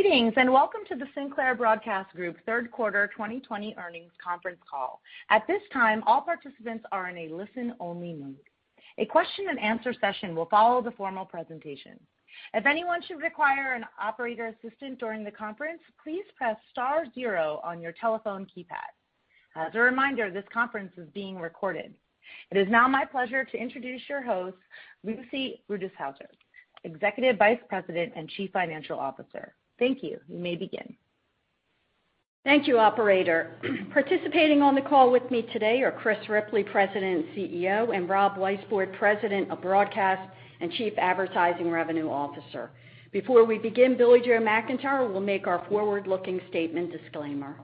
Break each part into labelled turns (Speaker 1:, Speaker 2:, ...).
Speaker 1: Greetings, and welcome to the Sinclair Broadcast Group third quarter 2020 earnings conference call. At this time, all participants are in a listen-only mode. A question-and-answer session will follow the formal presentation. If anyone should require an operator assistance during the conference, please press star zero on your telephone keypad. As a reminder, this conference is being recorded. It is now my pleasure to introduce your host, Lucy Rutishauser, Executive Vice President and Chief Financial Officer. Thank you. You may begin.
Speaker 2: Thank you, operator. Participating on the call with me today are Chris Ripley, President and CEO, and Rob Weisbord, President of Broadcast and Chief Advertising Revenue Officer. Before we begin, Billie-Jo McIntire will make our forward-looking statement disclaimer.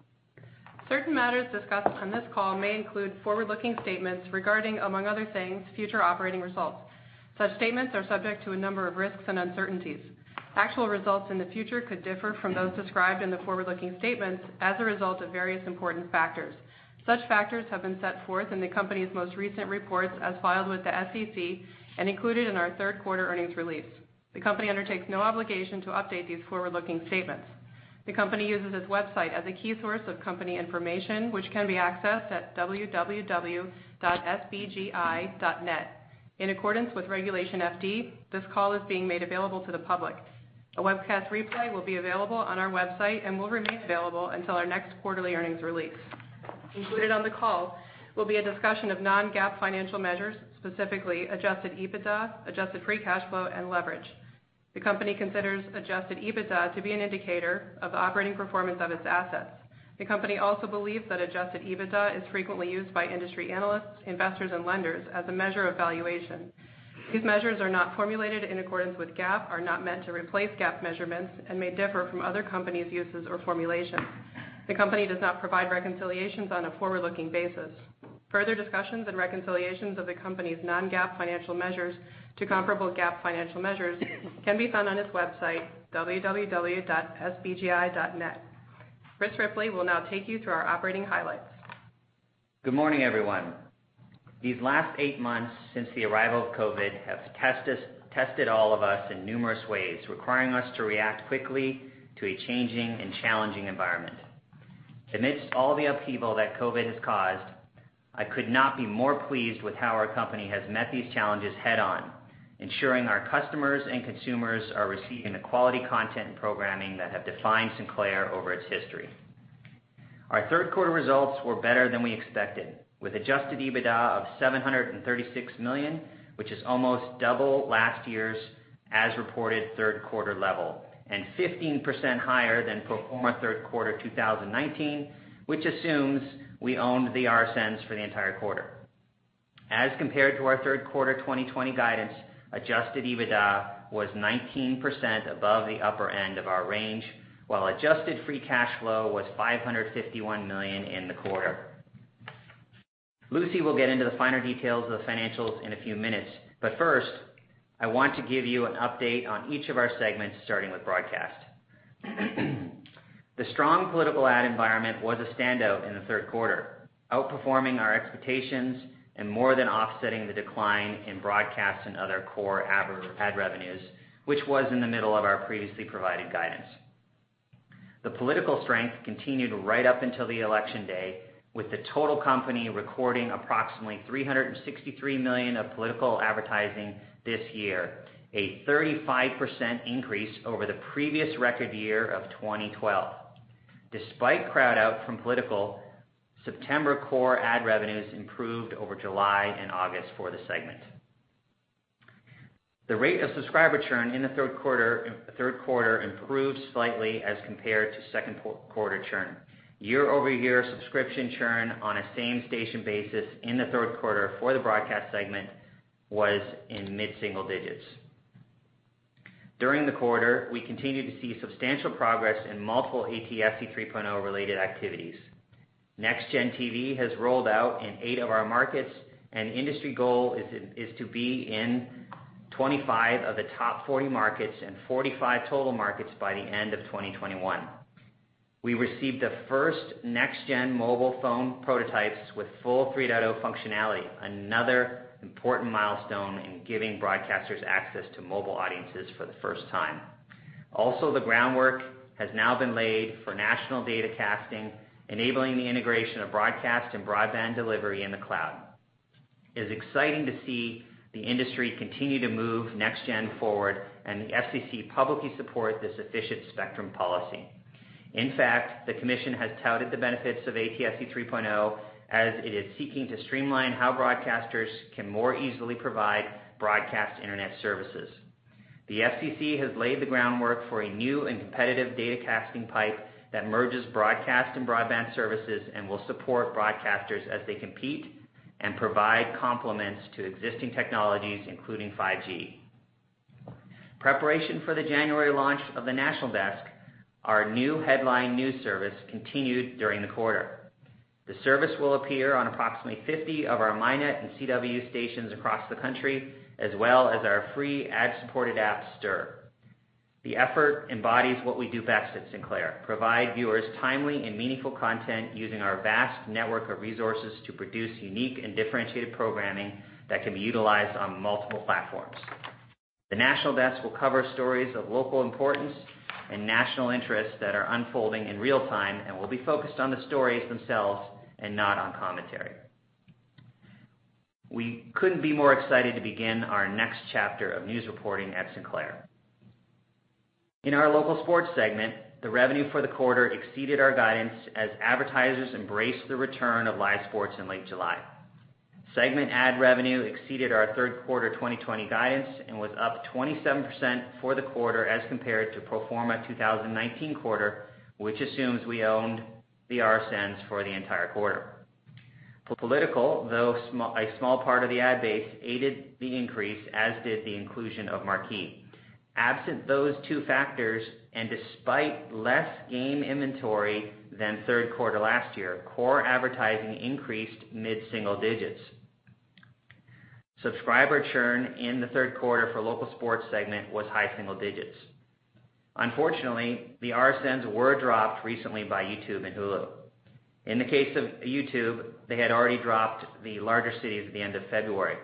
Speaker 3: Certain matters discussed on this call may include forward-looking statements regarding, among other things, future operating results. Such statements are subject to a number of risks and uncertainties. Actual results in the future could differ from those described in the forward-looking statements as a result of various important factors. Such factors have been set forth in the company's most recent reports, as filed with the SEC, and included in our third quarter earnings release. The company undertakes no obligation to update these forward-looking statements. The company uses its website as a key source of company information, which can be accessed at www.sbgi.net. In accordance with Regulation FD, this call is being made available to the public. A webcast replay will be available on our website and will remain available until our next quarterly earnings release. Included on the call will be a discussion of non-GAAP financial measures, specifically adjusted EBITDA, adjusted free cash flow, and leverage. The company considers adjusted EBITDA to be an indicator of the operating performance of its assets. The company also believes that adjusted EBITDA is frequently used by industry analysts, investors, and lenders as a measure of valuation. These measures are not formulated in accordance with GAAP, are not meant to replace GAAP measurements, and may differ from other companies' uses or formulations. The company does not provide reconciliations on a forward-looking basis. Further discussions and reconciliations of the company's non-GAAP financial measures to comparable GAAP financial measures can be found on its website, www.sbgi.net. Chris Ripley will now take you through our operating highlights.
Speaker 4: Good morning, everyone. These last eight months since the arrival of COVID have tested all of us in numerous ways, requiring us to react quickly to a changing and challenging environment. Amidst all the upheaval that COVID has caused, I could not be more pleased with how our company has met these challenges head-on, ensuring our customers and consumers are receiving the quality content and programming that have defined Sinclair over its history. Our third quarter results were better than we expected, with adjusted EBITDA of $736 million, which is almost double last year's as-reported third quarter level and 15% higher than pro forma third quarter 2019, which assumes we owned the RSNs for the entire quarter. As compared to our third quarter 2020 guidance, adjusted EBITDA was 19% above the upper end of our range, while adjusted free cash flow was $551 million in the quarter. Lucy will get into the finer details of the financials in a few minutes, but first, I want to give you an update on each of our segments, starting with broadcast. The strong political ad environment was a standout in the third quarter, outperforming our expectations and more than offsetting the decline in broadcast and other core ad revenues, which was in the middle of our previously provided guidance. The political strength continued right up until the Election Day, with the total company recording approximately $363 million of political advertising this year, a 35% increase over the previous record year of 2012. Despite crowd-out from political, September core ad revenues improved over July and August for the segment. The rate of subscriber churn in the third quarter improved slightly as compared to second quarter churn. Year-over-year subscription churn on a same station basis in the third quarter for the broadcast segment was in mid-single digits. During the quarter, we continued to see substantial progress in multiple ATSC 3.0 related activities. NextGen TV has rolled out in eight of our markets, and industry goal is to be in 25 of the top 40 markets and 45 total markets by the end of 2021. We received the first NextGen mobile phone prototypes with full 3.0 functionality, another important milestone in giving broadcasters access to mobile audiences for the first time. Also, the groundwork has now been laid for national datacasting, enabling the integration of broadcast and broadband delivery in the cloud. It is exciting to see the industry continue to move NextGen forward and the FCC publicly support this efficient spectrum policy. In fact, the commission has touted the benefits of ATSC 3.0 as it is seeking to streamline how broadcasters can more easily provide broadcast Internet services. The FCC has laid the groundwork for a new and competitive datacasting pipe that merges broadcast and broadband services and will support broadcasters as they compete and provide complements to existing technologies, including 5G. Preparation for the January launch of The National Desk, our new headline news service, continued during the quarter. The service will appear on approximately 50 of our MyNet and The CW stations across the country, as well as our free ad-supported app, STIRR. The effort embodies what we do best at Sinclair, provide viewers timely and meaningful content using our vast network of resources to produce unique and differentiated programming that can be utilized on multiple platforms. The National Desk will cover stories of local importance and national interest that are unfolding in real-time and will be focused on the stories themselves and not on commentary. We couldn't be more excited to begin our next chapter of news reporting at Sinclair. In our local sports segment, the revenue for the quarter exceeded our guidance as advertisers embraced the return of live sports in late July. Segment ad revenue exceeded our third quarter 2020 guidance and was up 27% for the quarter as compared to pro forma 2019 quarter, which assumes we owned the RSNs for the entire quarter. Political, though a small part of the ad base, aided the increase, as did the inclusion of Marquee. Absent those two factors, and despite less game inventory than third quarter last year, core advertising increased mid-single digits. Subscriber churn in the third quarter for local sports segment was high single digits. Unfortunately, the RSNs were dropped recently by YouTube and Hulu. In the case of YouTube, they had already dropped the larger cities at the end of February.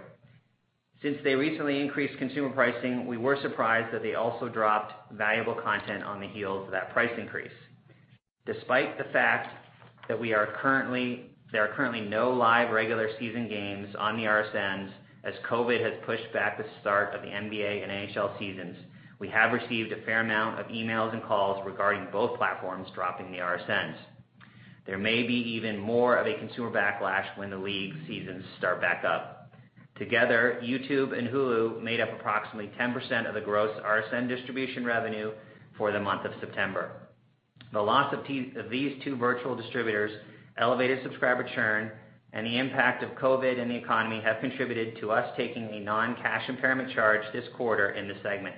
Speaker 4: Since they recently increased consumer pricing, we were surprised that they also dropped valuable content on the heels of that price increase. Despite the fact that there are currently no live regular season games on the RSNs, as COVID has pushed back the start of the NBA and NHL seasons, we have received a fair amount of emails and calls regarding both platforms dropping the RSNs. There may be even more of a consumer backlash when the league seasons start back up. Together, YouTube and Hulu made up approximately 10% of the gross RSN distribution revenue for the month of September. The loss of these two virtual distributors, elevated subscriber churn, and the impact of COVID and the economy have contributed to us taking a non-cash impairment charge this quarter in the segment.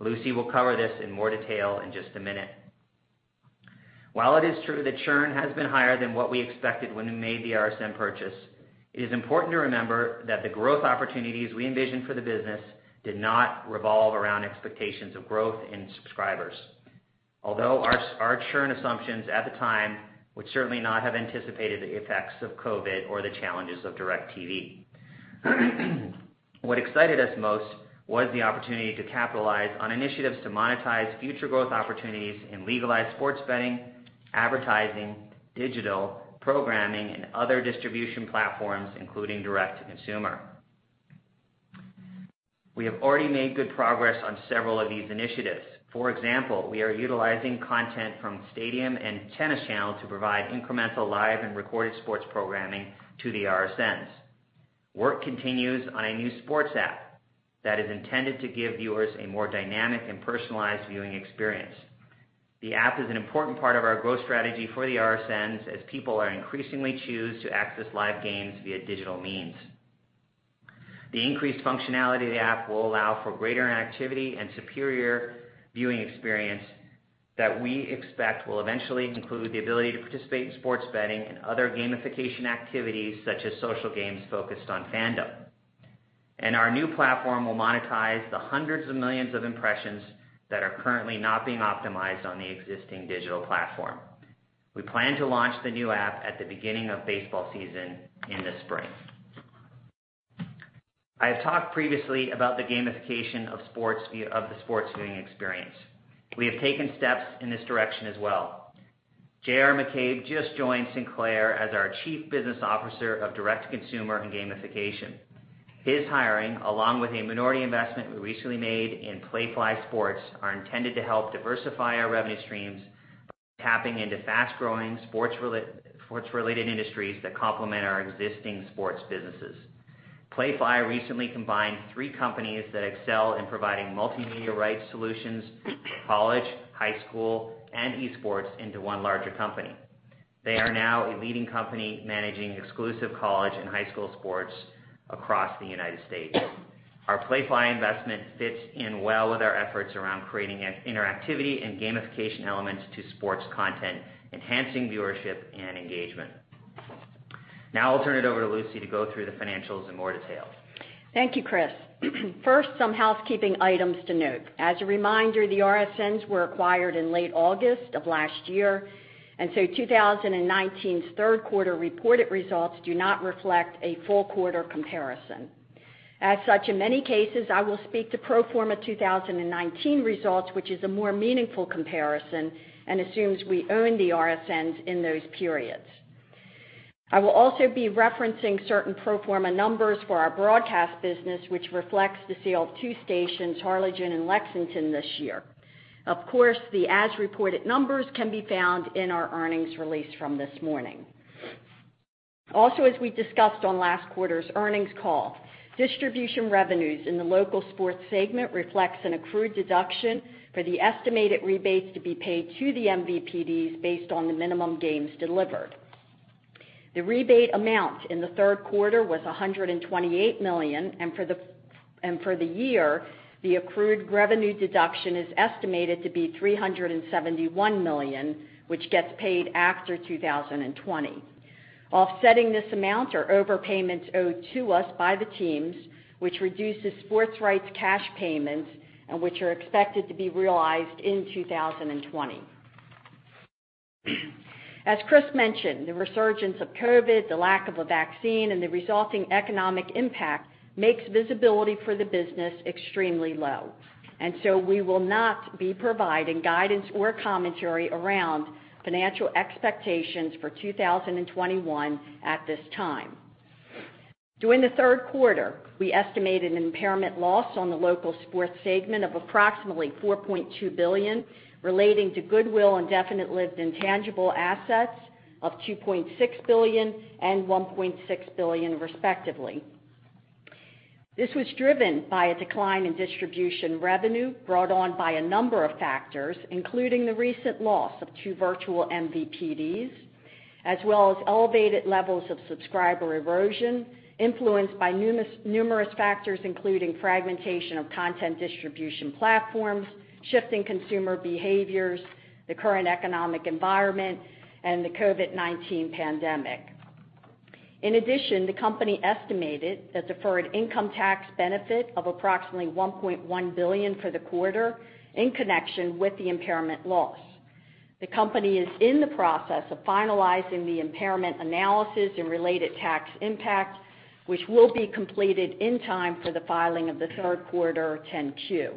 Speaker 4: Lucy will cover this in more detail in just a minute. While it is true that churn has been higher than what we expected when we made the RSN purchase, it is important to remember that the growth opportunities we envisioned for the business did not revolve around expectations of growth in subscribers. Our churn assumptions at the time would certainly not have anticipated the effects of COVID or the challenges of DirecTV. What excited us most was the opportunity to capitalize on initiatives to monetize future growth opportunities in legalized sports betting, advertising, digital, programming, and other distribution platforms, including direct-to-consumer. We have already made good progress on several of these initiatives. For example, we are utilizing content from Stadium and Tennis Channel to provide incremental live and recorded sports programming to the RSNs. Work continues on a new sports app that is intended to give viewers a more dynamic and personalized viewing experience. The app is an important part of our growth strategy for the RSNs as people are increasingly choose to access live games via digital means. The increased functionality of the app will allow for greater interactivity and superior viewing experience that we expect will eventually include the ability to participate in sports betting and other gamification activities such as social games focused on fandom. Our new platform will monetize the hundreds of millions of impressions that are currently not being optimized on the existing digital platform. We plan to launch the new app at the beginning of baseball season in the spring. I have talked previously about the gamification of the sports viewing experience. We have taken steps in this direction as well. J.R. McCabe just joined Sinclair as our Chief Business Officer of Direct-to-Consumer and Gamification. His hiring, along with a minority investment we recently made in Playfly Sports, are intended to help diversify our revenue streams by tapping into fast-growing sports-related industries that complement our existing sports businesses. Playfly recently combined three companies that excel in providing multimedia rights solutions for college, high school, and esports into one larger company. They are now a leading company managing exclusive college and high school sports across the United States. Our Playfly investment fits in well with our efforts around creating interactivity and gamification elements to sports content, enhancing viewership and engagement. Now I'll turn it over to Lucy to go through the financials in more detail.
Speaker 2: Thank you, Chris. First, some housekeeping items to note. As a reminder, the RSNs were acquired in late August of last year. 2019's third quarter reported results do not reflect a full quarter comparison. As such, in many cases, I will speak to pro forma 2019 results, which is a more meaningful comparison and assumes we own the RSNs in those periods. I will also be referencing certain pro forma numbers for our broadcast business, which reflects the sale of two stations, Harlingen and Lexington, this year. Of course, the as-reported numbers can be found in our earnings release from this morning. Also as we discussed on last quarter's earnings call, distribution revenues in the local sports segment reflects an accrued deduction for the estimated rebates to be paid to the MVPDs based on the minimum games delivered. The rebate amount in the third quarter was $128 million, and for the year, the accrued revenue deduction is estimated to be $371 million, which gets paid after 2020. Offsetting this amount are overpayments owed to us by the teams, which reduces sports rights cash payments and which are expected to be realized in 2020. As Chris mentioned, the resurgence of COVID, the lack of a vaccine, and the resulting economic impact makes visibility for the business extremely low. So we will not be providing guidance or commentary around financial expectations for 2021 at this time. During the third quarter, we estimated an impairment loss on the local sports segment of approximately $4.2 billion, relating to goodwill and indefinite-lived intangible assets of $2.6 billion and $1.6 billion, respectively. This was driven by a decline in distribution revenue brought on by a number of factors, including the recent loss of two virtual MVPDs, as well as elevated levels of subscriber erosion influenced by numerous factors, including fragmentation of content distribution platforms, shifting consumer behaviors, the current economic environment, and the COVID-19 pandemic. In addition, the company estimated a deferred income tax benefit of approximately $1.1 billion for the quarter in connection with the impairment loss. The company is in the process of finalizing the impairment analysis and related tax impact, which will be completed in time for the filing of the third quarter 10-Q.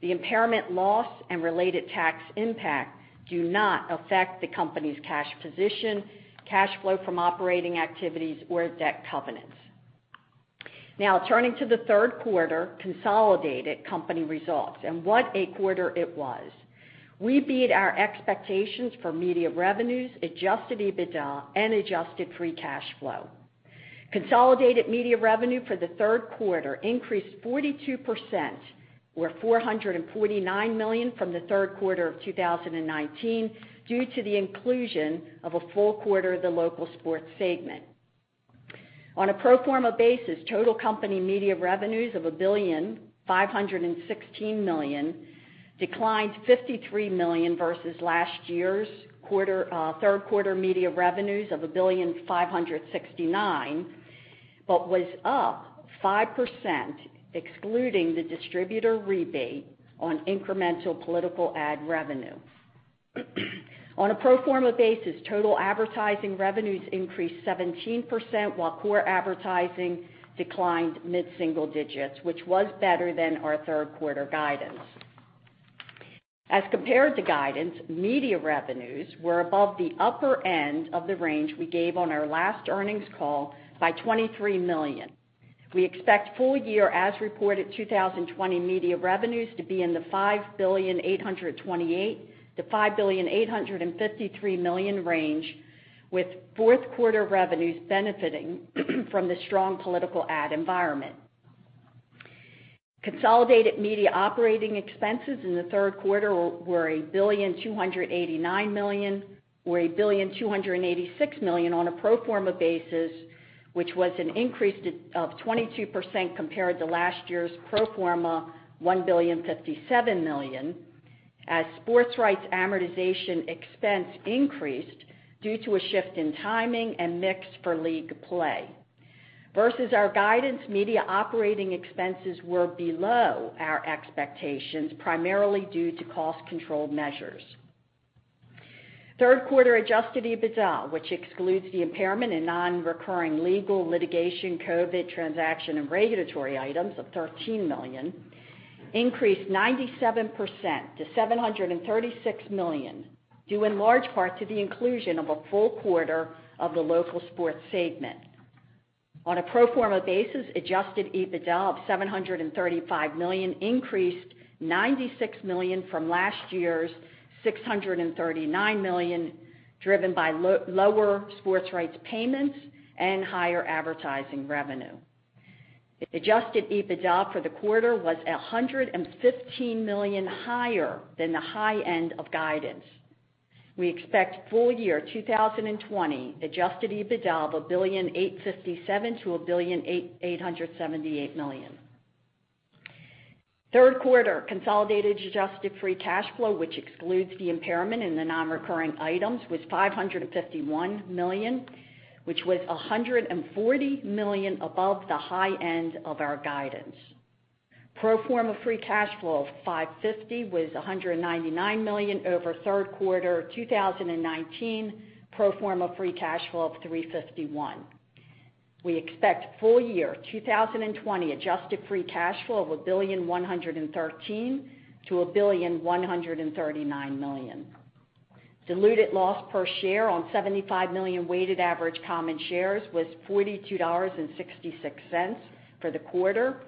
Speaker 2: The impairment loss and related tax impact do not affect the company's cash position, cash flow from operating activities, or debt covenants. Now, turning to the third quarter consolidated company results. What a quarter it was. We beat our expectations for media revenues, adjusted EBITDA, and adjusted free cash flow. Consolidated media revenue for the third quarter increased 42%, or $449 million from the third quarter of 2019 due to the inclusion of a full quarter of the local sports segment. On a pro forma basis, total company media revenues of $1.516 billion declined $53 million versus last year's third quarter media revenues of $1.569 billion, but was up 5% excluding the distributor rebate on incremental political ad revenue. On a pro forma basis, total advertising revenues increased 17%, while core advertising declined mid-single digits, which was better than our third quarter guidance. As compared to guidance, media revenues were above the upper end of the range we gave on our last earnings call by $23 million. We expect full year as reported 2020 media revenues to be in the $5.828 billion-$5.853 billion range, with fourth quarter revenues benefiting from the strong political ad environment. Consolidated media operating expenses in the third quarter were $1.289 billion or $1.286 billion on a pro forma basis, which was an increase of 22% compared to last year's pro forma $1.057 billion, as sports rights amortization expense increased due to a shift in timing and mix for league play. Versus our guidance, media operating expenses were below our expectations, primarily due to cost control measures. Third quarter adjusted EBITDA, which excludes the impairment in non-recurring legal, litigation, COVID, transaction, and regulatory items of $13 million, increased 97% to $736 million, due in large part to the inclusion of a full quarter of the local sports segment. On a pro forma basis, adjusted EBITDA of $735 million increased $96 million from last year's $639 million, driven by lower sports rights payments and higher advertising revenue. Adjusted EBITDA for the quarter was $115 million higher than the high end of guidance. We expect full year 2020 adjusted EBITDA of $1.857 billion-$1.878 billion. Third quarter consolidated adjusted free cash flow, which excludes the impairment in the non-recurring items, was $551 million, which was $140 million above the high end of our guidance. Pro forma free cash flow of $550 million was $199 million over third quarter 2019 pro forma free cash flow of $351 million. We expect full year 2020 adjusted free cash flow of $1.113 billion-$1.139 billion. Diluted loss per share on 75 million weighted average common shares was $42.66 for the quarter,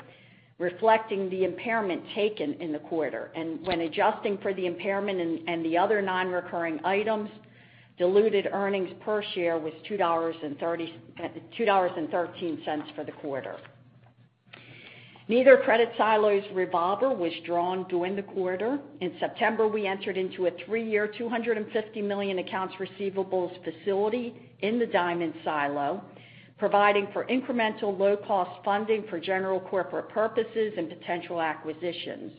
Speaker 2: reflecting the impairment taken in the quarter. When adjusting for the impairment and the other non-recurring items, diluted earnings per share was $2.13 for the quarter. Neither credit silo's revolver was drawn during the quarter. In September, we entered into a three-year, $250 million accounts receivables facility in the Diamond silo, providing for incremental low-cost funding for general corporate purposes and potential acquisitions.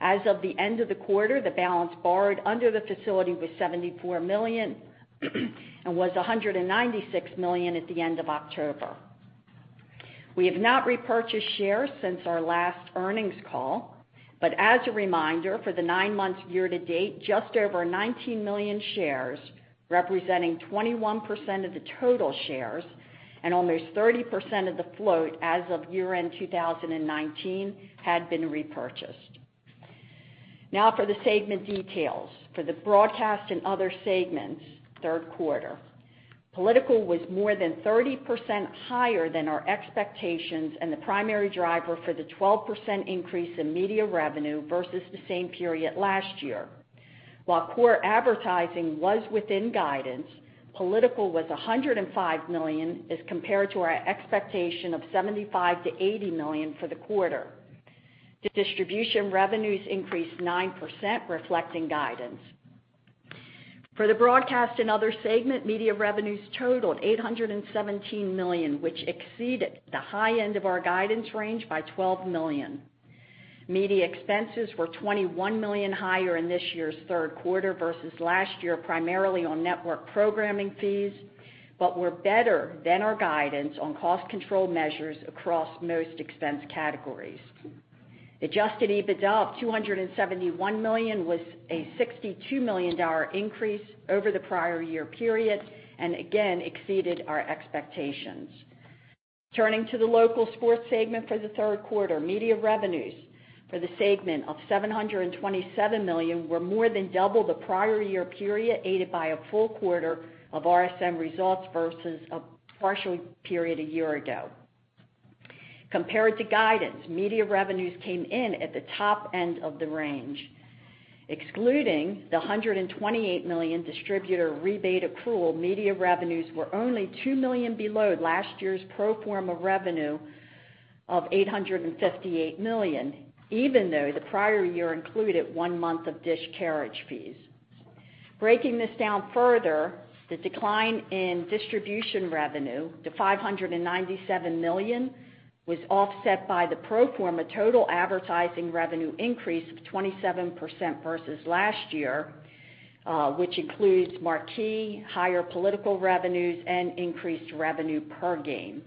Speaker 2: As of the end of the quarter, the balance borrowed under the facility was $74 million and was $196 million at the end of October. We have not repurchased shares since our last earnings call. As a reminder, for the nine months year-to-date, just over 19 million shares, representing 21% of the total shares and almost 30% of the float as of year-end 2019, had been repurchased. Now for the segment details. For the broadcast and other segments third quarter, political was more than 30% higher than our expectations and the primary driver for the 12% increase in media revenue versus the same period last year. While core advertising was within guidance, political was $105 million as compared to our expectation of $75 million-$80 million for the quarter. The distribution revenues increased 9%, reflecting guidance. For the broadcast and other segment, media revenues totaled $817 million, which exceeded the high end of our guidance range by $12 million. Media expenses were $21 million higher in this year's third quarter versus last year, primarily on network programming fees, but were better than our guidance on cost control measures across most expense categories. Adjusted EBITDA of $271 million was a $62 million increase over the prior year period and again exceeded our expectations. Turning to the local sports segment for the third quarter. Media revenues for the segment of $727 million were more than double the prior year period, aided by a full quarter of RSN results versus a partial period a year ago. Compared to guidance, media revenues came in at the top end of the range. Excluding the $128 million distributor rebate accrual, media revenues were only $2 million below last year's pro forma revenue of $858 million, even though the prior year included one month of DISH carriage fees. Breaking this down further, the decline in distribution revenue to $597 million was offset by the pro forma total advertising revenue increase of 27% versus last year, which includes Marquee, higher political revenues, and increased revenue per game.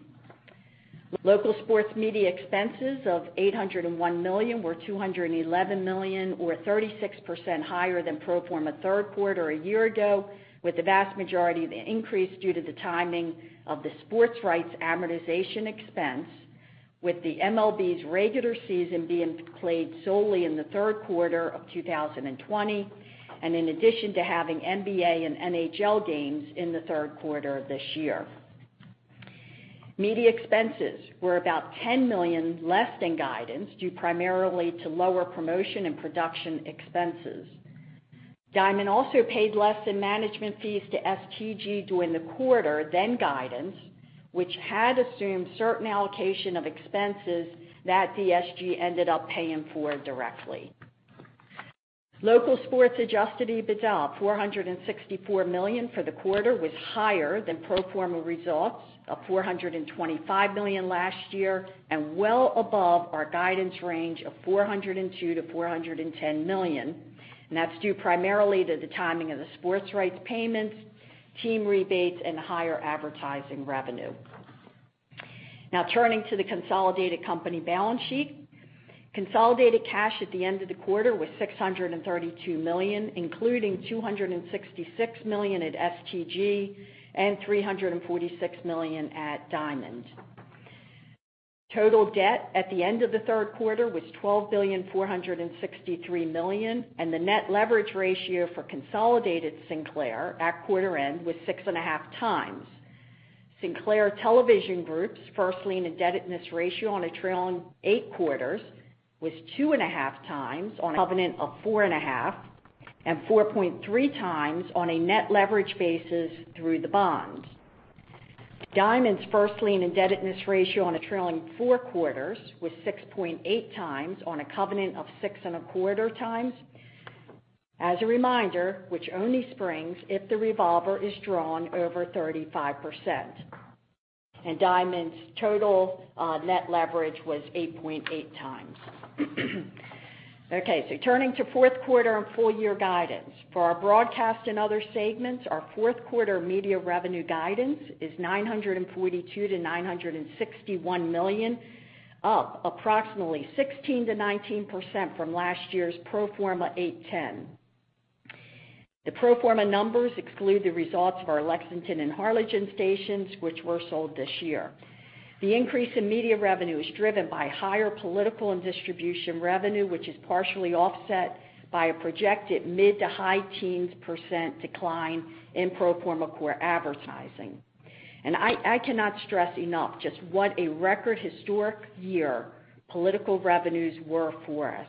Speaker 2: Local sports media expenses of $801 million were $211 million, or 36%, higher than pro forma third quarter a year ago, with the vast majority of the increase due to the timing of the sports rights amortization expense with the MLB's regular season being played solely in the third quarter of 2020, and in addition to having NBA and NHL games in the third quarter of this year. Media expenses were about $10 million less than guidance, due primarily to lower promotion and production expenses. Diamond also paid less in management fees to STG during the quarter than guidance, which had assumed certain allocation of expenses that DSG ended up paying for directly. Local sports adjusted EBITDA of $464 million for the quarter was higher than pro forma results of $425 million last year and well above our guidance range of $402 million-$410 million. That's due primarily to the timing of the sports rights payments, team rebates, and higher advertising revenue. Turning to the consolidated company balance sheet. Consolidated cash at the end of the quarter was $632 million, including $266 million at STG and $346 million at Diamond. Total debt at the end of the third quarter was $12.463 billion, and the net leverage ratio for consolidated Sinclair at quarter end was 6.5x. Sinclair Television Group's first lien indebtedness ratio on a trailing eight quarters was 2.5x on a covenant of 4.5, and 4.3x on a net leverage basis through the bonds. Diamond's first lien indebtedness ratio on a trailing four quarters was 6.8x on a covenant of 6.25x. As a reminder, which only springs if the revolver is drawn over 35%. Diamond's total net leverage was 8.8x. Turning to fourth quarter and full year guidance. For our broadcast and other segments, our fourth quarter media revenue guidance is $942 million-$961 million, up approximately 16%-19% from last year's pro forma $810 million. The pro forma numbers exclude the results of our Lexington and Harlingen stations, which were sold this year. The increase in media revenue is driven by higher political and distribution revenue, which is partially offset by a projected mid to high teens percent decline in pro forma core advertising. I cannot stress enough just what a record historic year political revenues were for us,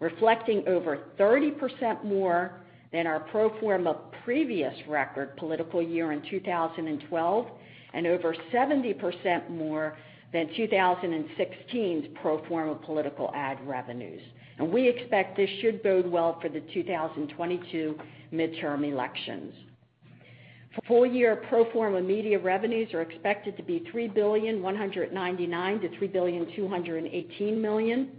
Speaker 2: reflecting over 30% more than our pro forma previous record political year in 2012 and over 70% more than 2016's pro forma political ad revenues. We expect this should bode well for the 2022 midterm elections. For full year pro forma, media revenues are expected to be $3.199 billion-$3.218 billion.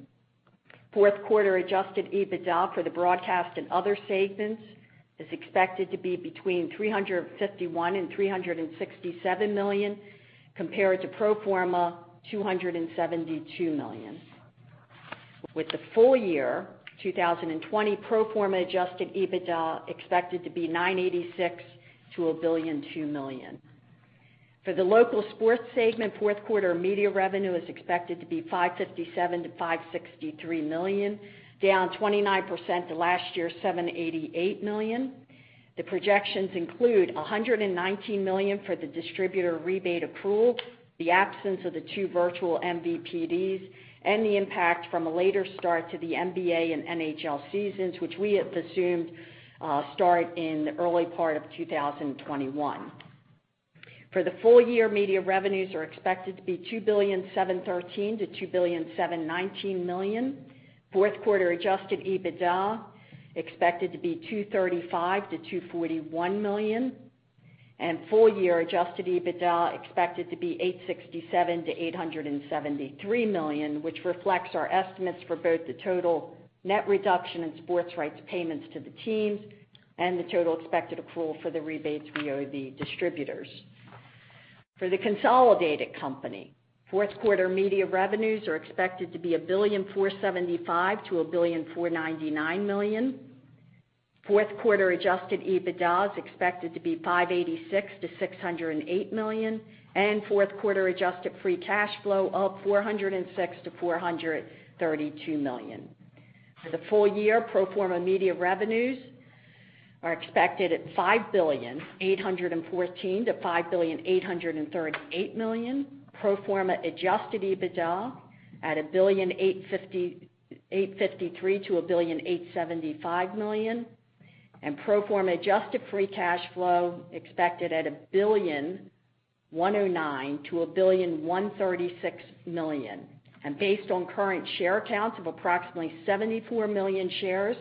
Speaker 2: Fourth quarter adjusted EBITDA for the broadcast and other segments is expected to be between $351 million and $367 million, compared to pro forma $272 million, with the full year 2020 pro forma adjusted EBITDA expected to be $986 million-$1.2 billion. For the local sports segment, fourth quarter media revenue is expected to be $557 million-$563 million, down 29% to last year's $788 million. The projections include $119 million for the distributor rebate accrual, the absence of the two virtual MVPDs, and the impact from a later start to the NBA and NHL seasons, which we have assumed start in the early part of 2021. For the full year, media revenues are expected to be $2.713 billion-$2.719 billion. Fourth quarter adjusted EBITDA expected to be $235 million-$241 million, and full year adjusted EBITDA expected to be $867 million-$873 million, which reflects our estimates for both the total net reduction in sports rights payments to the teams and the total expected accrual for the rebates we owe the distributors. For the consolidated company, fourth quarter media revenues are expected to be $1.475 billion-$1.499 billion. Fourth quarter adjusted EBITDA is expected to be $586 million-$608 million, and fourth quarter adjusted free cash flow up $406 million-$432 million. For the full year, pro forma media revenues are expected at $5.814 billion-$5.838 billion. Pro forma adjusted EBITDA at $1.853 billion-$1.875 billion, and pro forma adjusted free cash flow expected at $1.109 billion-$1.136 billion. Based on current share counts of approximately 74 million shares,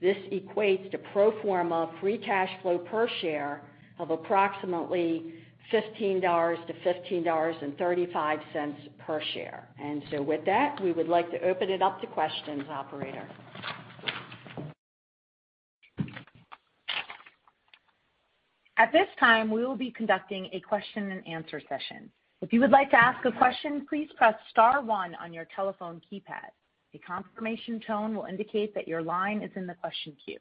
Speaker 2: this equates to pro forma free cash flow per share of approximately $15-$15.35 per share. With that, we would like to open it up to questions, operator.
Speaker 1: At this time, we will be conducting a question-and-answer session. If you would like to ask a question, please press star one on your telephone keypad. A confirmation tone will indicate that your line is in the question queue.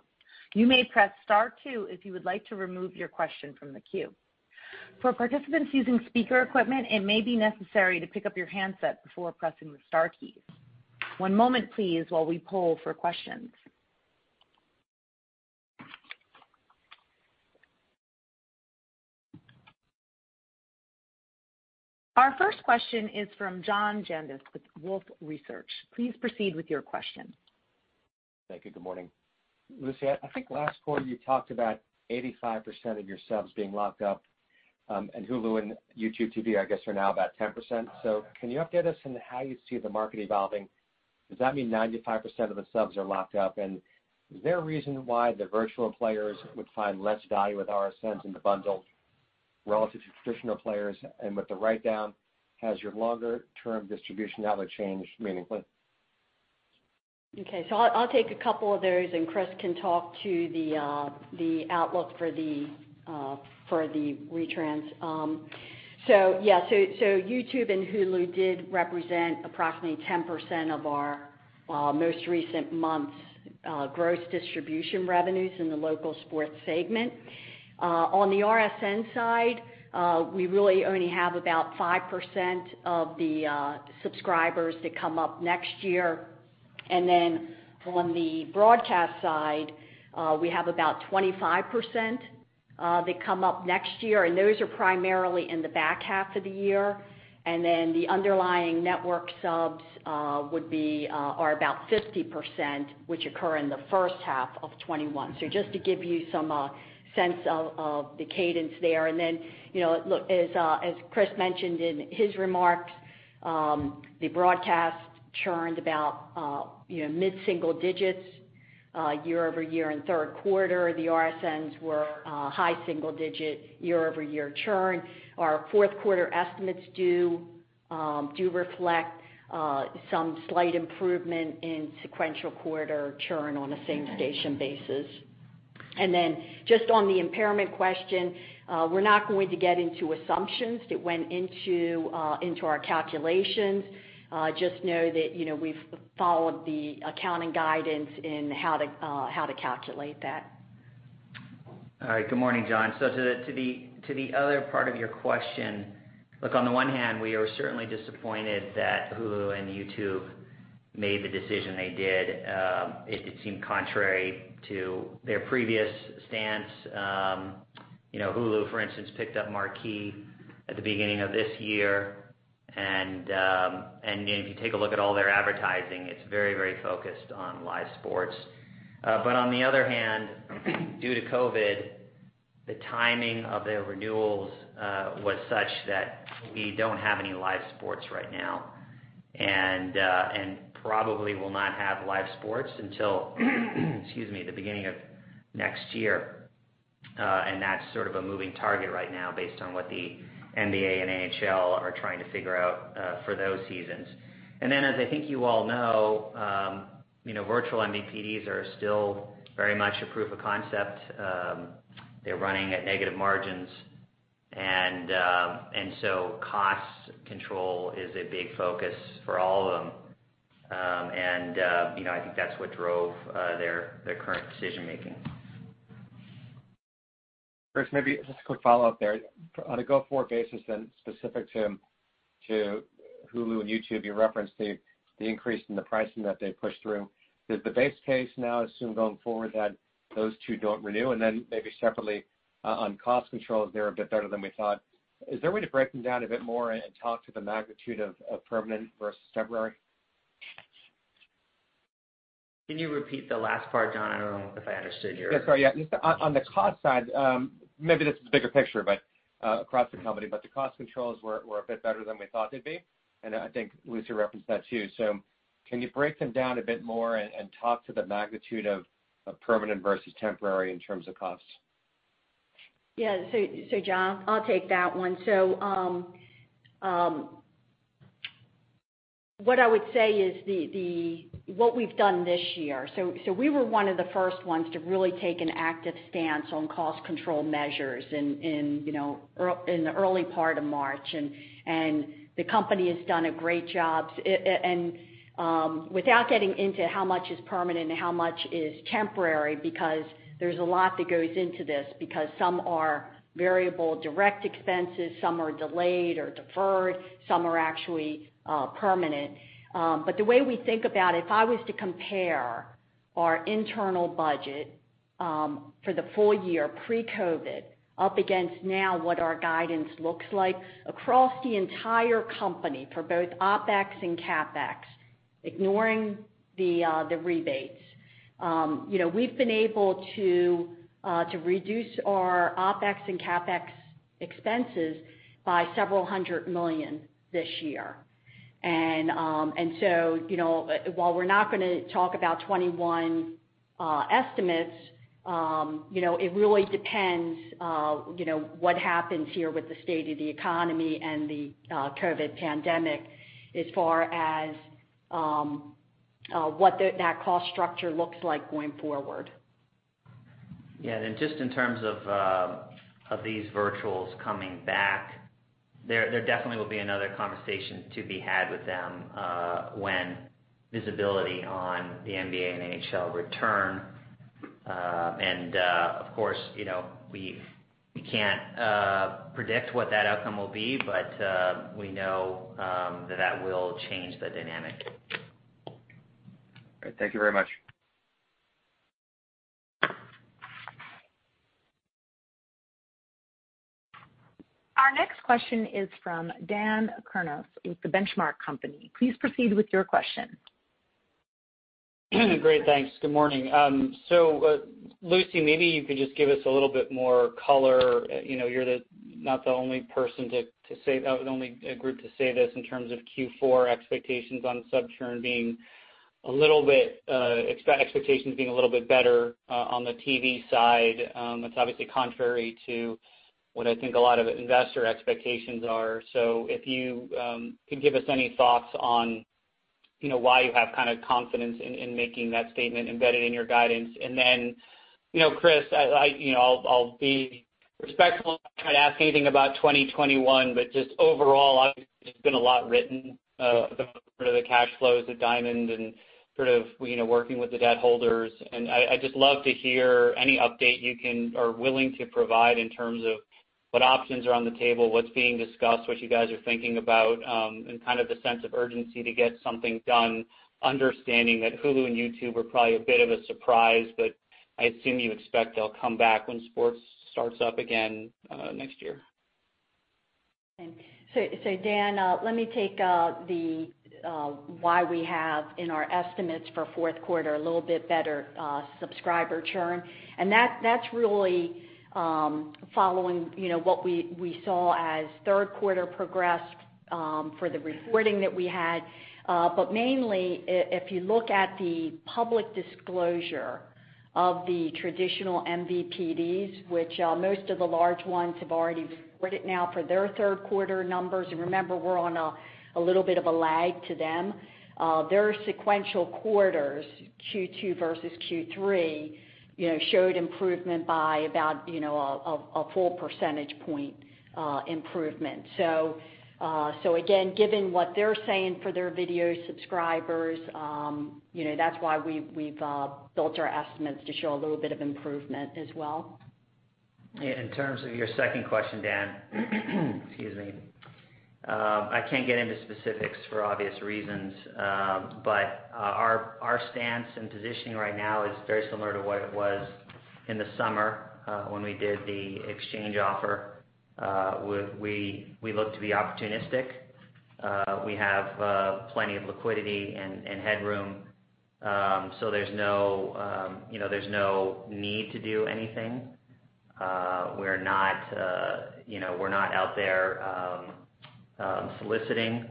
Speaker 1: You may press star two if you would like to remove your question from the queue. For participants using speaker equipment, it may be necessary to pick up your handset before pressing the star key. One moment please while we pull for questions. Our first question is from John Janedis with Wolfe Research. Please proceed with your question.
Speaker 5: Thank you. Good morning. Lucy, I think last quarter you talked about 85% of your subs being locked up, and Hulu and YouTube TV, I guess, are now about 10%. Can you update us on how you see the market evolving? Does that mean 95% of the subs are locked up? Is there a reason why the virtual players would find less value with RSNs in the bundle relative to traditional players? With the write-down, has your longer-term distribution outlook changed meaningfully?
Speaker 2: Okay. I'll take a couple of those and Chris can talk to the outlook for the retrans. YouTube and Hulu did represent approximately 10% of our most recent month's gross distribution revenues in the local sports segment. On the RSN side, we really only have about 5% of the subscribers that come up next year. On the broadcast side, we have about 25% that come up next year, and those are primarily in the back half of the year. The underlying network subs are about 50%, which occur in the first half of 2021. Just to give you some sense of the cadence there. As Chris mentioned in his remarks, the broadcast churned about mid-single digits year-over-year in third quarter. The RSNs were high single digit year-over-year churn. Our fourth quarter estimates do reflect some slight improvement in sequential quarter churn on a same station basis. Then just on the impairment question, we're not going to get into assumptions that went into our calculations. Just know that we've followed the accounting guidance in how to calculate that.
Speaker 4: All right. Good morning, John. To the other part of your question, look, on the one hand, we are certainly disappointed that Hulu and YouTube made the decision they did. It seemed contrary to their previous stance. Hulu, for instance, picked up Marquee at the beginning of this year, and if you take a look at all their advertising, it's very, very focused on live sports. On the other hand, due to COVID, the timing of the renewals was such that we don't have any live sports right now, and probably will not have live sports until excuse me, the beginning of next year. That's sort of a moving target right now based on what the NBA and NHL are trying to figure out for those seasons. As I think you all know, virtual MVPDs are still very much a proof of concept. They're running at negative margins. Cost control is a big focus for all of them. I think that's what drove their current decision-making.
Speaker 5: Chris, maybe just a quick follow-up there. On a go-forward basis, then specific to Hulu and YouTube, you referenced the increase in the pricing that they pushed through. Is the base case now assume going forward that those two don't renew? Maybe separately on cost controls, they're a bit better than we thought. Is there a way to break them down a bit more and talk to the magnitude of permanent versus temporary?
Speaker 4: Can you repeat the last part, John? I don't know if I understood your.
Speaker 5: Yeah, sorry. On the cost side, maybe this is a bigger picture, but across the company, the cost controls were a bit better than we thought they'd be, and I think Lucy referenced that too. Can you break them down a bit more and talk to the magnitude of permanent versus temporary in terms of costs?
Speaker 2: Yeah. John, I'll take that one. What I would say is what we've done this year. We were one of the first ones to really take an active stance on cost control measures in the early part of March, and the company has done a great job. Without getting into how much is permanent and how much is temporary, because there's a lot that goes into this, because some are variable direct expenses, some are delayed or deferred, some are actually permanent. The way we think about it, if I was to compare our internal budget for the full year pre-COVID up against now what our guidance looks like across the entire company for both OpEx and CapEx, ignoring the rebates. We've been able to reduce our OpEx and CapEx expenses by several hundred million this year. While we're not going to talk about 2021 estimates, it really depends what happens here with the state of the economy and the COVID pandemic as far as what that cost structure looks like going forward.
Speaker 4: Yeah. Just in terms of these virtuals coming back, there definitely will be another conversation to be had with them when visibility on the NBA and NHL return. Of course, we can't predict what that outcome will be, but we know that that will change the dynamic.
Speaker 5: All right. Thank you very much.
Speaker 1: Our next question is from Dan Kurnos with The Benchmark Company. Please proceed with your question.
Speaker 6: Great. Thanks. Good morning. Lucy, maybe you could just give us a little bit more color. You're not the only group to say this in terms of Q4 expectations on sub churn being a little bit better on the TV side. That's obviously contrary to what I think a lot of investor expectations are. If you could give us any thoughts on why you have confidence in making that statement embedded in your guidance. Chris, I'll be respectful and not try to ask anything about 2021, but just overall, obviously there's been a lot written about sort of the cash flows of Diamond and sort of working with the debt holders. I'd just love to hear any update you can or willing to provide in terms of what options are on the table, what's being discussed, what you guys are thinking about, and kind of the sense of urgency to get something done, understanding that Hulu and YouTube are probably a bit of a surprise, but I assume you expect they'll come back when sports starts up again next year.
Speaker 2: Dan, let me take why we have in our estimates for fourth quarter a little bit better subscriber churn, and that's really following what we saw as third quarter progressed for the reporting that we had. Mainly, if you look at the public disclosure of the traditional MVPDs, which most of the large ones have already reported now for their third quarter numbers, and remember, we're on a little bit of a lag to them. Their sequential quarters, Q2 versus Q3, showed improvement by about a full percentage point improvement. Again, given what they're saying for their video subscribers, that's why we've built our estimates to show a little bit of improvement as well.
Speaker 4: In terms of your second question, Dan, excuse me. I can't get into specifics for obvious reasons. Our stance and positioning right now is very similar to what it was in the summer when we did the exchange offer. We look to be opportunistic. We have plenty of liquidity and headroom. There's no need to do anything. We're not out there soliciting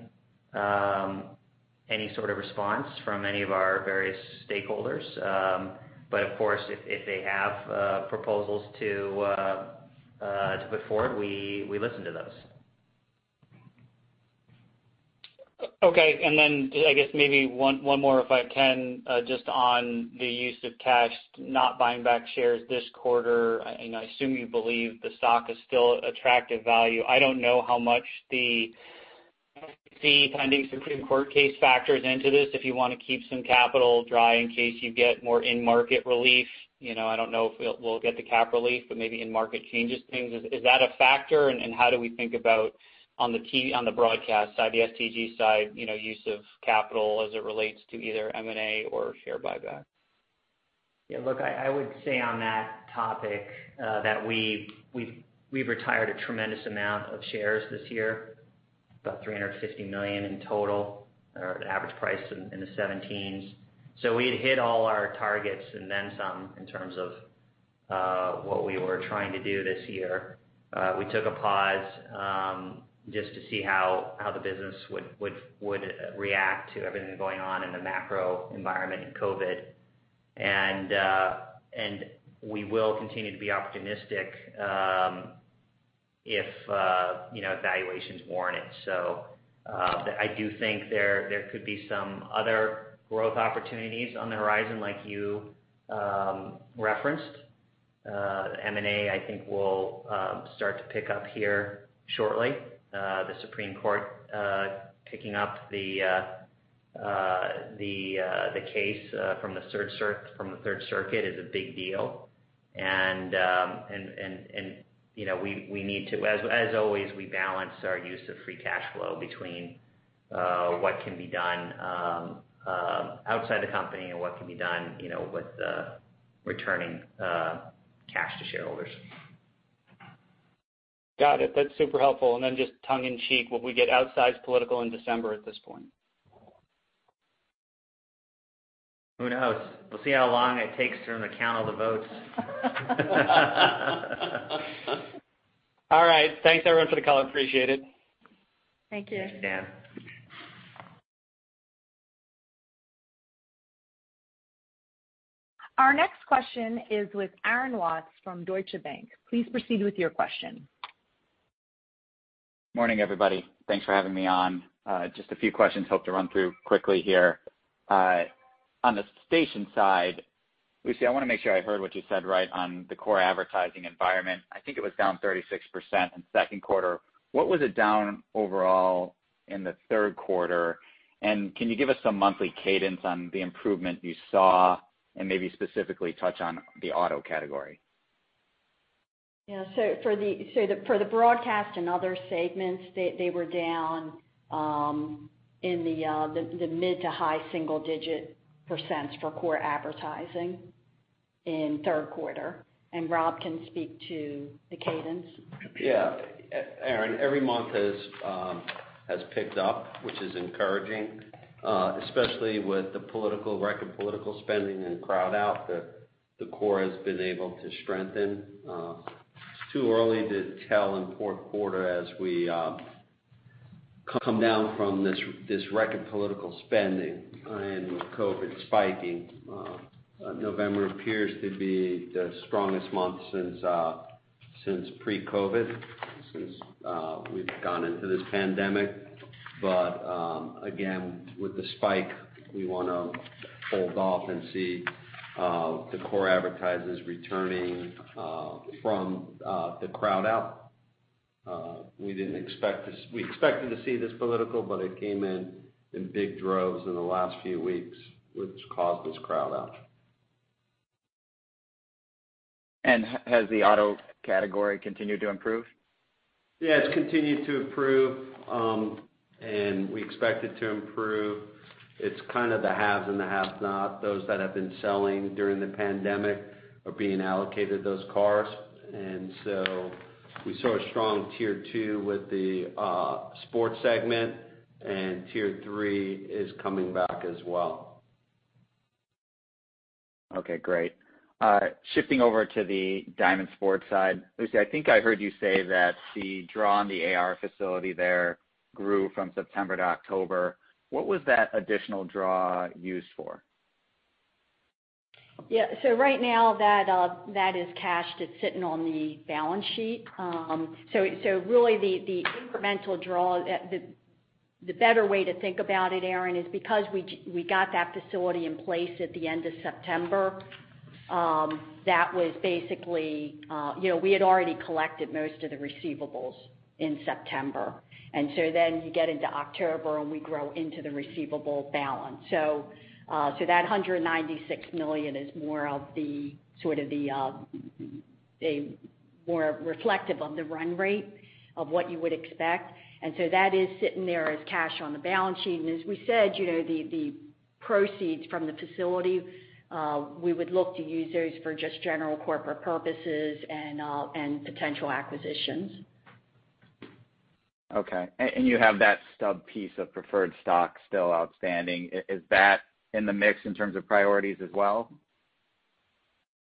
Speaker 4: any sort of response from any of our various stakeholders. Of course, if they have proposals to put forward, we listen to those.
Speaker 6: Okay. I guess maybe one more, if I can, just on the use of cash, not buying back shares this quarter. I assume you believe the stock is still attractive value. I don't know how much the pending Supreme Court case factors into this, if you want to keep some capital dry in case you get more in-market relief. I don't know if we'll get the cap relief, but maybe in market changes things. Is that a factor, and how do we think about on the broadcast side, the STG side, use of capital as it relates to either M&A or share buyback?
Speaker 4: Look, I would say on that topic that we've retired a tremendous amount of shares this year, about $350 million in total, or the average price in the $17s. We had hit all our targets and then some in terms of what we were trying to do this year. We took a pause just to see how the business would react to everything going on in the macro environment in COVID. We will continue to be opportunistic if valuations warrant it. I do think there could be some other growth opportunities on the horizon like you referenced. M&A, I think, will start to pick up here shortly. The Supreme Court picking up the case from the Third Circuit is a big deal. As always, we balance our use of free cash flow between what can be done outside the company and what can be done with returning cash to shareholders.
Speaker 6: Got it. That's super helpful. Just tongue in cheek, will we get outsized political in December at this point?
Speaker 4: Who knows? We'll see how long it takes to count all the votes.
Speaker 6: All right. Thanks everyone for the call. Appreciate it.
Speaker 4: Thank you, Dan.
Speaker 1: Our next question is with Aaron Watts from Deutsche Bank. Please proceed with your question.
Speaker 7: Morning, everybody. Thanks for having me on. Just a few questions hope to run through quickly here. On the station side, Lucy, I want to make sure I heard what you said right on the core advertising environment. I think it was down 36% in second quarter. What was it down overall in the third quarter? Can you give us some monthly cadence on the improvement you saw and maybe specifically touch on the auto category?
Speaker 2: Yeah. For the broadcast and other segments, they were down in the mid to high single-digit percent for core advertising in third quarter. Rob can speak to the cadence.
Speaker 8: Yeah. Aaron, every month has picked up, which is encouraging, especially with the record political spending and crowd out, the core has been able to strengthen. It's too early to tell in fourth quarter as we come down from this record political spending and with COVID spiking. November appears to be the strongest month since pre-COVID, since we've gone into this pandemic. Again, with the spike, we want to hold off and see the core advertisers returning from the crowd out. We expected to see this political, but it came in in big droves in the last few weeks, which caused this crowd out.
Speaker 7: Has the auto category continued to improve?
Speaker 8: Yeah, it's continued to improve. We expect it to improve. It's kind of the haves and the have-not. Those that have been selling during the pandemic are being allocated those cars. We saw a strong Tier 2 with the sports segment, and Tier 3 is coming back as well.
Speaker 7: Okay, great. Shifting over to the Diamond Sports side. Lucy, I think I heard you say that the draw on the AR facility there grew from September to October. What was that additional draw used for?
Speaker 2: Yeah. Right now that is cash that's sitting on the balance sheet. Really the incremental draw, the better way to think about it, Aaron, is because we got that facility in place at the end of September. We had already collected most of the receivables in September. You get into October, and we grow into the receivable balance. That $196 million is more reflective of the run rate of what you would expect. That is sitting there as cash on the balance sheet. As we said, the proceeds from the facility, we would look to use those for just general corporate purposes and potential acquisitions.
Speaker 7: Okay. You have that stub piece of preferred stock still outstanding. Is that in the mix in terms of priorities as well?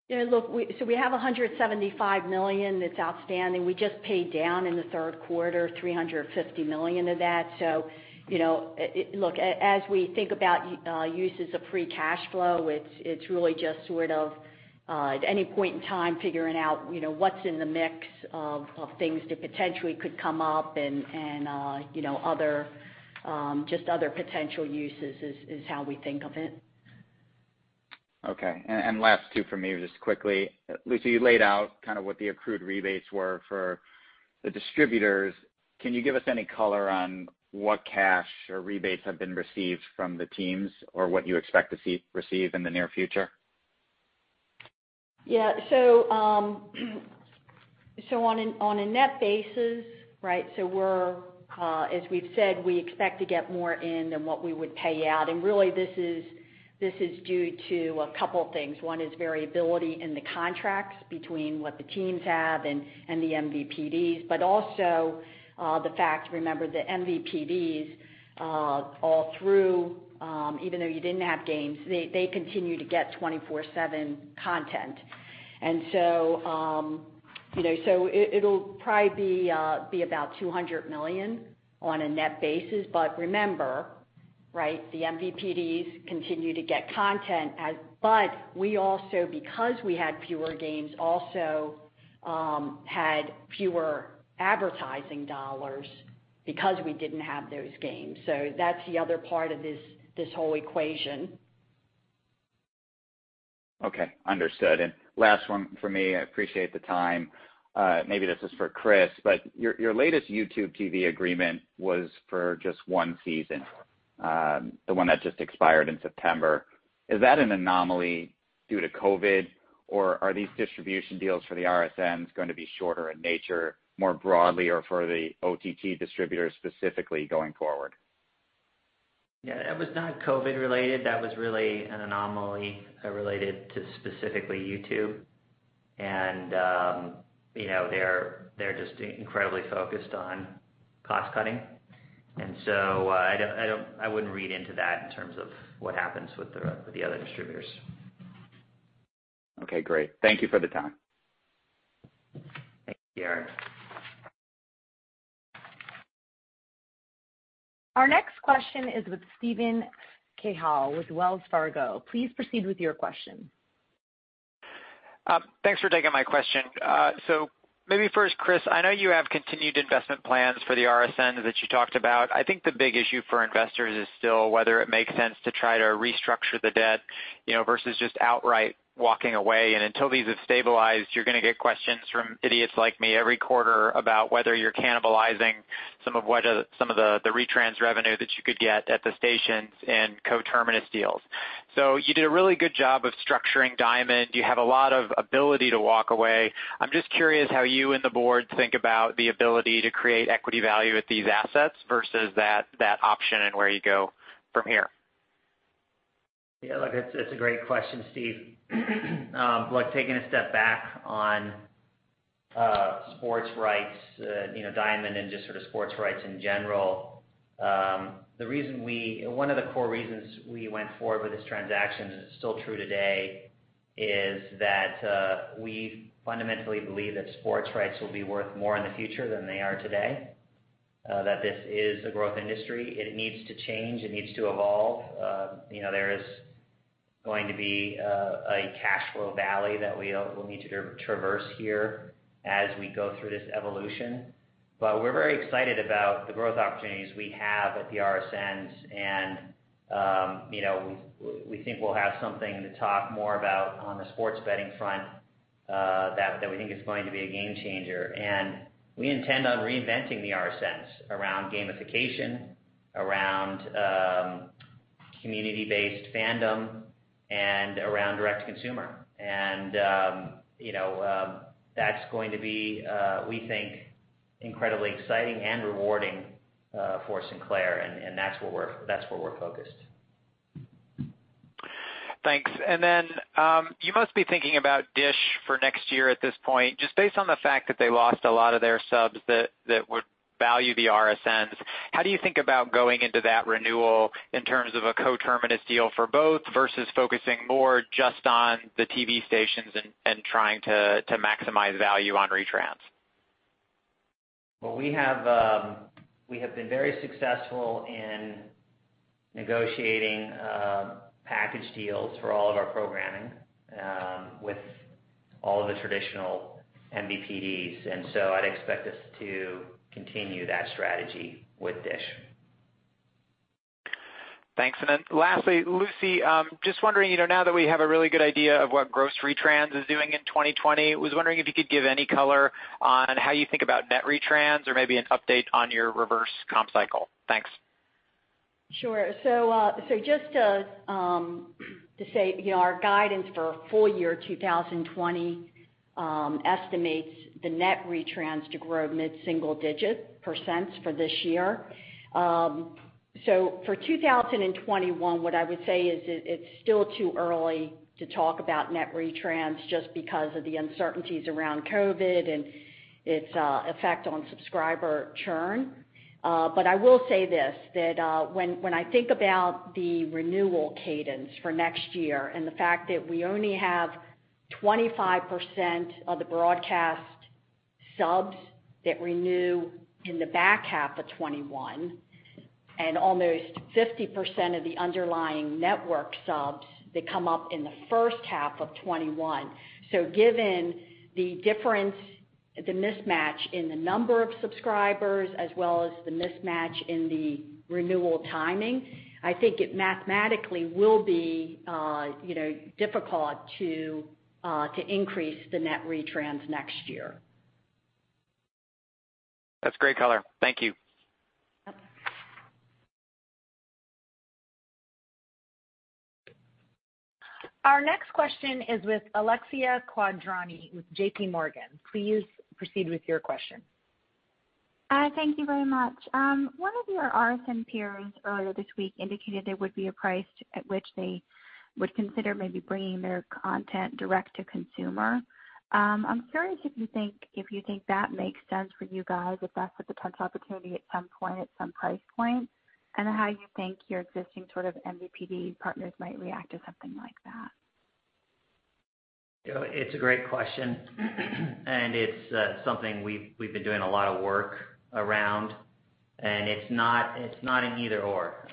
Speaker 2: Look, we have $175 million that's outstanding. We just paid down in the third quarter, $350 million of that. Look, as we think about uses of free cash flow, it's really just sort of, at any point in time, figuring out what's in the mix of things that potentially could come up and just other potential uses is how we think of it.
Speaker 7: Okay. Last two from me, just quickly. Lucy, you laid out kind of what the accrued rebates were for the distributors. Can you give us any color on what cash or rebates have been received from the teams or what you expect to receive in the near future?
Speaker 2: Yeah. On a net basis, right? As we've said, we expect to get more in than what we would pay out. Really this is due to a couple things. One is variability in the contracts between what the teams have and the MVPDs. Also the fact, remember, the MVPDs, all through, even though you didn't have games, they continue to get 24/7 content. It'll probably be about $200 million on a net basis. Remember, right, the MVPDs continue to get content. We also, because we had fewer games, also had fewer advertising dollars because we didn't have those games. That's the other part of this whole equation.
Speaker 7: Okay. Understood. Last one from me, I appreciate the time. Maybe this is for Chris, Your latest YouTube TV agreement was for just one season, the one that just expired in September. Is that an anomaly due to COVID, or are these distribution deals for the RSNs going to be shorter in nature, more broadly, or for the OTT distributors specifically going forward?
Speaker 4: Yeah, that was not COVID related. That was really an anomaly related to specifically YouTube. They're just incredibly focused on cost cutting. I wouldn't read into that in terms of what happens with the other distributors.
Speaker 7: Okay, great. Thank you for the time.
Speaker 4: Thank you.
Speaker 1: Our next question is with Steven Cahall with Wells Fargo. Please proceed with your question.
Speaker 9: Thanks for taking my question. Maybe first, Chris, I know you have continued investment plans for the RSN that you talked about. I think the big issue for investors is still whether it makes sense to try to restructure the debt versus just outright walking away. Until these have stabilized, you're going to get questions from idiots like me every quarter about whether you're cannibalizing some of the retrans revenue that you could get at the stations and co-terminus deals. You did a really good job of structuring Diamond. You have a lot of ability to walk away. I'm just curious how you and the board think about the ability to create equity value with these assets versus that option and where you go from here.
Speaker 4: Yeah, look, it's a great question, Steve. Taking a step back on sports rights, Diamond and just sort of sports rights in general. One of the core reasons we went forward with this transaction, it's still true today, is that we fundamentally believe that sports rights will be worth more in the future than they are today, this is a growth industry. It needs to change. It needs to evolve. There is going to be a cash flow valley that we'll need to traverse here as we go through this evolution. We're very excited about the growth opportunities we have at the RSNs, and we think we'll have something to talk more about on the sports betting front we think is going to be a game changer. We intend on reinventing the RSNs around gamification, around community-based fandom, and around direct-to-consumer. That's going to be, we think, incredibly exciting and rewarding for Sinclair, and that's where we're focused.
Speaker 9: Thanks. You must be thinking about DISH for next year at this point, just based on the fact that they lost a lot of their subs that would value the RSNs. How do you think about going into that renewal in terms of a co-terminus deal for both versus focusing more just on the TV stations and trying to maximize value on retrans?
Speaker 4: Well, we have been very successful in negotiating package deals for all of our programming with all of the traditional MVPDs, and so I'd expect us to continue that strategy with DISH.
Speaker 9: Thanks. Then lastly, Lucy, just wondering, now that we have a really good idea of what gross retrans is doing in 2020, was wondering if you could give any color on how you think about net retrans or maybe an update on your reverse comp cycle. Thanks.
Speaker 2: Sure. Just to say, our guidance for full year 2020 estimates the net retrans to grow mid-single-digit percent for this year. For 2021, what I would say is it's still too early to talk about net retrans just because of the uncertainties around COVID and its effect on subscriber churn. I will say this, that when I think about the renewal cadence for next year and the fact that we only have 25% of the broadcast subs that renew in the back half of 2021, and almost 50% of the underlying network subs that come up in the first half of 2021. Given the difference, the mismatch in the number of subscribers as well as the mismatch in the renewal timing, I think it mathematically will be difficult to increase the net retrans next year.
Speaker 9: That's great color. Thank you.
Speaker 1: Our next question is with Alexia Quadrani with JPMorgan. Please proceed with your question.
Speaker 10: Thank you very much. One of your RSN peers earlier this week indicated there would be a price at which they would consider maybe bringing their content direct-to-consumer. I'm curious if you think that makes sense for you guys, if that's a potential opportunity at some point, at some price point, and how you think your existing MVPD partners might react to something like that?
Speaker 4: It's a great question. It's something we've been doing a lot of work around. It's not an either/or.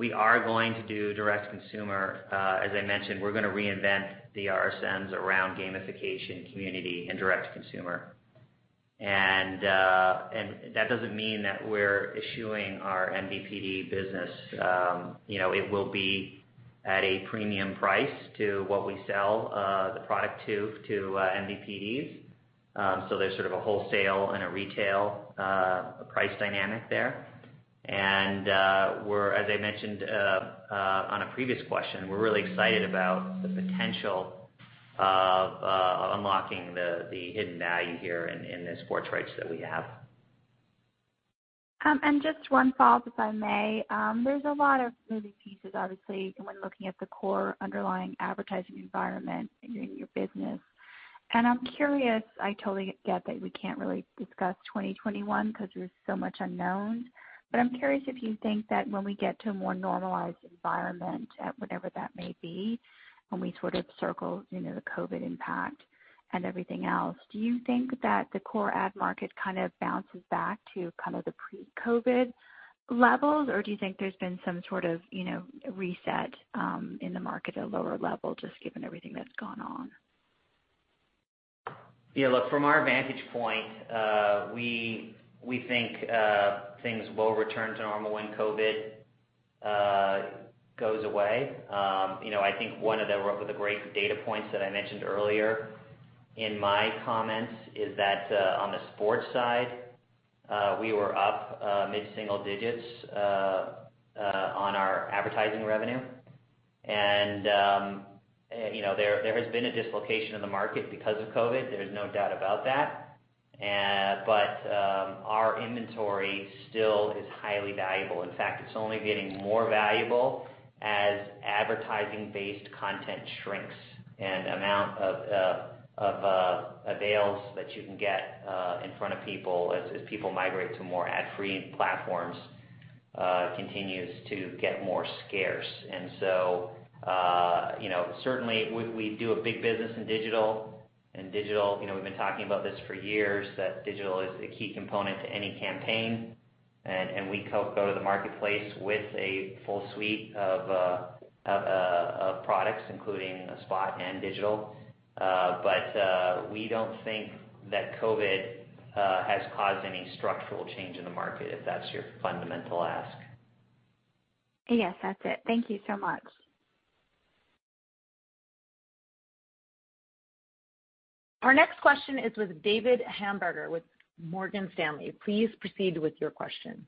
Speaker 4: We are going to do direct-to-consumer. As I mentioned, we're going to reinvent the RSNs around gamification, community, and direct-to-consumer. That doesn't mean that we're eschewing our MVPD business. It will be at a premium price to what we sell the product to MVPDs. There's sort of a wholesale and a retail price dynamic there. As I mentioned on a previous question, we're really excited about the potential of unlocking the hidden value here in the sports rights that we have.
Speaker 10: Just one follow-up, if I may. There's a lot of moving pieces, obviously, when looking at the core underlying advertising environment in your business. I'm curious, I totally get that we can't really discuss 2021 because there's so much unknown, but I'm curious if you think that when we get to a more normalized environment, whenever that may be, when we sort of circle the COVID impact and everything else, do you think that the core ad market kind of bounces back to the pre-COVID levels? Or do you think there's been some sort of reset in the market at a lower level, just given everything that's gone on?
Speaker 4: Yeah, look, from our vantage point, we think things will return to normal when COVID goes away. I think one of the great data points that I mentioned earlier in my comments is that on the sports side, we were up mid-single digits on our advertising revenue. There has been a dislocation in the market because of COVID, there's no doubt about that. Our inventory still is highly valuable. In fact, it's only getting more valuable as advertising-based content shrinks and amount of avails that you can get in front of people as people migrate to more ad-free platforms continues to get more scarce. Certainly, we do a big business in digital. We've been talking about this for years, that digital is a key component to any campaign, and we go to the marketplace with a full suite of products, including spot and digital. We don't think that COVID has caused any structural change in the market, if that's your fundamental ask.
Speaker 10: Yes, that's it. Thank you so much.
Speaker 1: Our next question is with David Hamburger with Morgan Stanley. Please proceed with your question.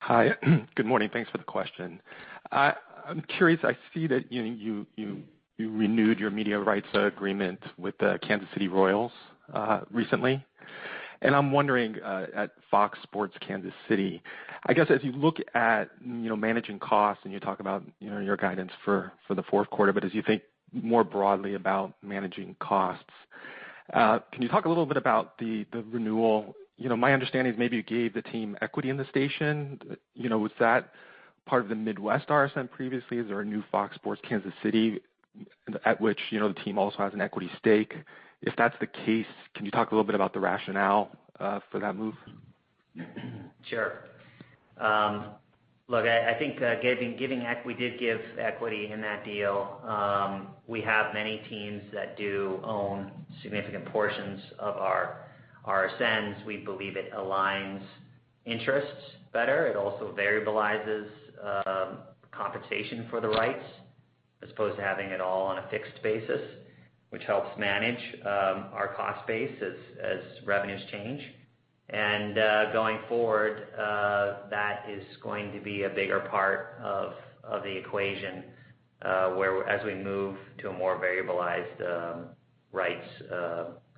Speaker 11: Hi. Good morning. Thanks for the question. I'm curious, I see that you renewed your media rights agreement with the Kansas City Royals recently, and I'm wondering, at Fox Sports Kansas City, I guess as you look at managing costs and you talk about your guidance for the fourth quarter, but as you think more broadly about managing costs, can you talk a little bit about the renewal? My understanding is maybe you gave the team equity in the station. Was that part of the Midwest RSN previously? Is there a new Fox Sports Kansas City at which the team also has an equity stake? If that's the case, can you talk a little bit about the rationale for that move?
Speaker 4: Sure. Look, I think we did give equity in that deal. We have many teams that do own significant portions of our RSNs. We believe it aligns interests better. It also variabilizes compensation for the rights as opposed to having it all on a fixed basis, which helps manage our cost base as revenues change. Going forward, that is going to be a bigger part of the equation, as we move to a more variabilized rights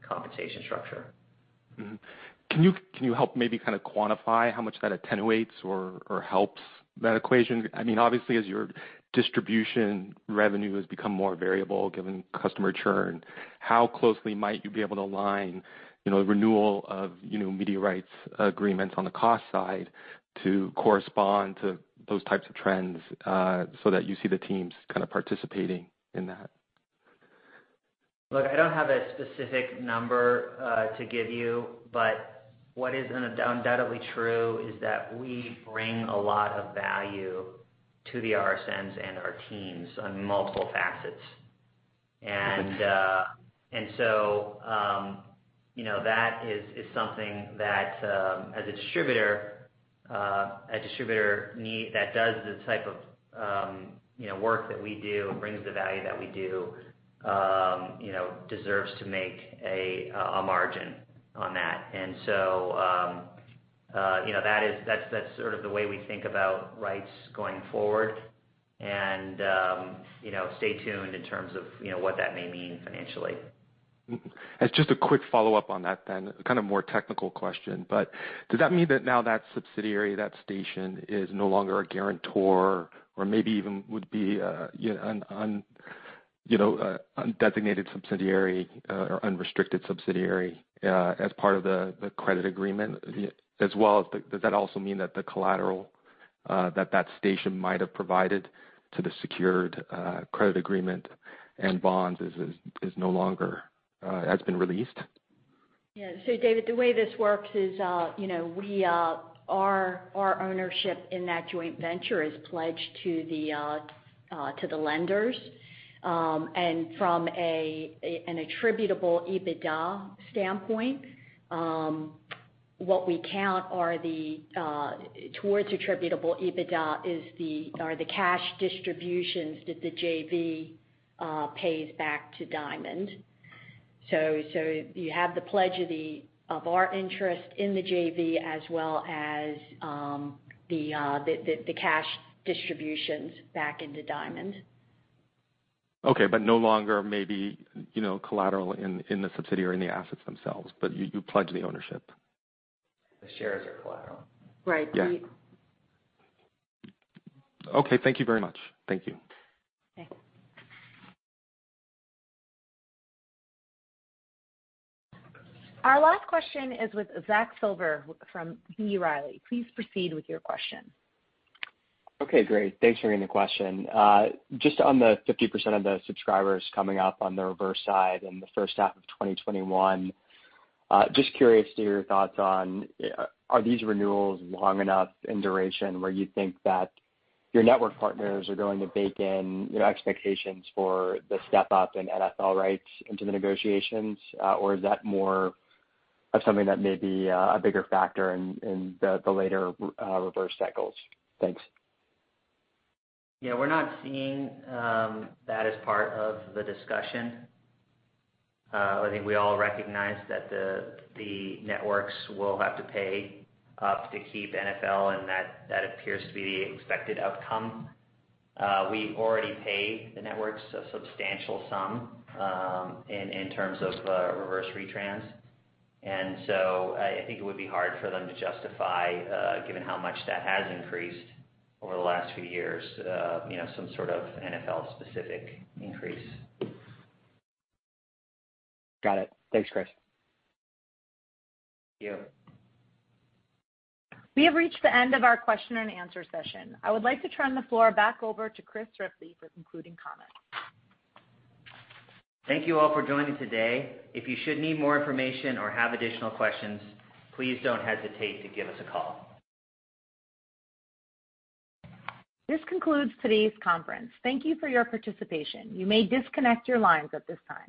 Speaker 4: compensation structure.
Speaker 11: Mm-hmm. Can you help maybe kind of quantify how much that attenuates or helps that equation? Obviously, as your distribution revenue has become more variable, given customer churn, how closely might you be able to align renewal of media rights agreements on the cost side to correspond to those types of trends, so that you see the teams participating in that?
Speaker 4: Look, I don't have a specific number to give you, but what is undoubtedly true is that we bring a lot of value to the RSNs and our teams on multiple facets. That is something that a distributor needs that does the type of work that we do, brings the value that we do, deserves to make a margin on that. That's sort of the way we think about rights going forward and stay tuned in terms of what that may mean financially.
Speaker 11: Just a quick follow-up on that, kind of more technical question, does that mean that now that subsidiary, that station, is no longer a guarantor or maybe even would be a designated subsidiary or unrestricted subsidiary as part of the credit agreement? As well, does that also mean that the collateral that station might have provided to the secured credit agreement and bonds has been released?
Speaker 2: Yeah. David, the way this works is our ownership in that joint venture is pledged to the lenders. From an attributable EBITDA standpoint, what we count towards attributable EBITDA are the cash distributions that the JV pays back to Diamond. You have the pledge of our interest in the JV as well as the cash distributions back into Diamond.
Speaker 11: Okay. No longer maybe collateral in the subsidiary, in the assets themselves, but you pledge the ownership.
Speaker 4: The shares are collateral.
Speaker 2: Right.
Speaker 11: Yeah. Okay. Thank you very much. Thank you.
Speaker 2: Thanks.
Speaker 1: Our last question is with Zack Silver from B. Riley. Please proceed with your question.
Speaker 12: Okay, great. Thanks for taking the question. Just on the 50% of the subscribers coming up on the reverse side in the first half of 2021, just curious to your thoughts on are these renewals long enough in duration where you think that your network partners are going to bake in your expectations for the step up in NFL rights into the negotiations? Is that more of something that may be a bigger factor in the later reverse cycles? Thanks.
Speaker 4: Yeah, we're not seeing that as part of the discussion. I think we all recognize that the networks will have to pay up to keep NFL, and that appears to be the expected outcome. We already paid the networks a substantial sum in terms of reverse retrans. I think it would be hard for them to justify, given how much that has increased over the last few years, some sort of NFL specific increase.
Speaker 12: Got it. Thanks, Chris.
Speaker 4: Thank you.
Speaker 1: We have reached the end of our question-and-answer session. I would like to turn the floor back over to Chris Ripley for concluding comments.
Speaker 4: Thank you all for joining today. If you should need more information or have additional questions, please don't hesitate to give us a call.
Speaker 1: This concludes today's conference. Thank you for your participation. You may disconnect your lines at this time.